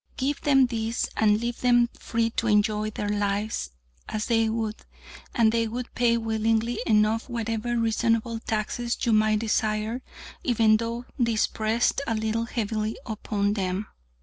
Give them these and leave them free to enjoy their lives as they would, and they would pay willingly enough whatever reasonable taxes you might desire, even though these pressed a little heavily upon them.